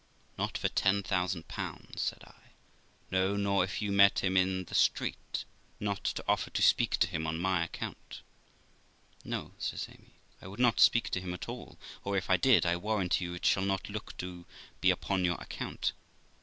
'Not for ten thousand pounds', said I; 'no, nor if you met him in the street, not to offer to speak to him on my account.' 'No', says Amy, 'I would not speak to him at all ; or if I did, I warrant you it shall not look to be upon your account.